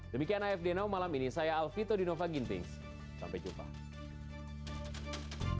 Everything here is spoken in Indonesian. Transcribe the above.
demikian afd now malam ini saya alvito dinova gintings sampai jumpa